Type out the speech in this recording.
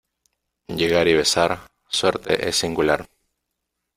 Llegar y besar, suerte es singular.